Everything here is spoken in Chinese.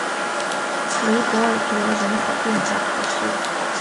雷博尔德人口变化图示